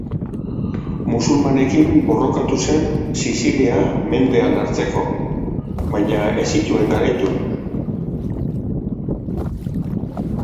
Musulmanekin borrokatu zen Sizilia mendean hartzeko, baina ez zituen garaitu.